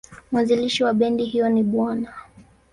Mwanzilishi wa bendi hiyo ni Bw.